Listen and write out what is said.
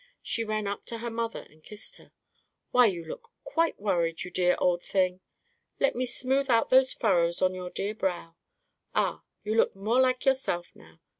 She ran up to her mother and kissed her. "Why, you look quite worried, you dear old thing. Let me smooth out those furrows on your dear brow! Ah! you look more like yourself now.